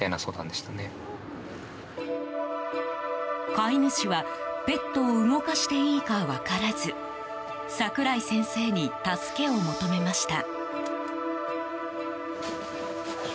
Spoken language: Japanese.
飼い主はペットを動かしていいか分からず櫻井先生に助けを求めました。